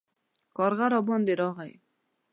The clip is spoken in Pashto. کارغه راباندې راغی